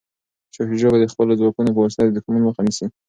شاه شجاع به د خپلو ځواکونو په وسیله د دښمن مخه نیسي.